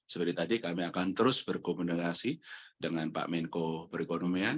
seperti tadi kami akan terus berkomunikasi dengan pak menko perekonomian